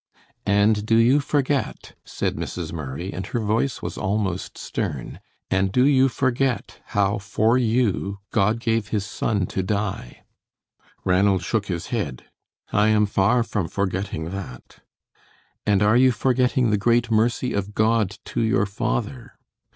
"And do you forget," said Mrs. Murray, and her voice was almost stern, "and do you forget how, for you, God gave His Son to die?" Ranald shook his head. "I am far from forgetting that." "And are you forgetting the great mercy of God to your father?"